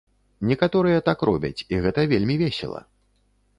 Некаторыя так робяць, і гэта вельмі весела.